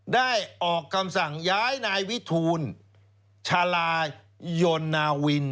ได้ออกคำสั่งย้ายนายวิทูลชาลายยนนาวิน